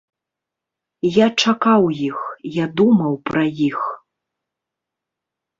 Я чакаў іх, я думаў пра іх!